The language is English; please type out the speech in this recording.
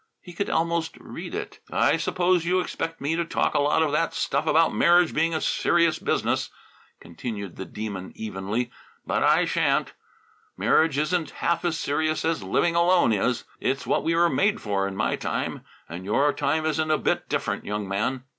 He could almost read it. "I suppose you expect me to talk a lot of that stuff about marriage being a serious business," continued the Demon evenly. "But I shan't. Marriage isn't half as serious as living alone is. It's what we were made for in my time, and your time isn't a bit different, young man."